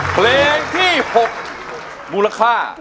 เพลงที่๖มูลค่า